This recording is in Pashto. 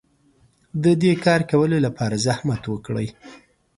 د دې کار کولو لپاره زحمت وکړئ.